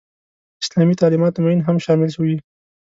اسلامي تعلیماتو معین هم شامل وي.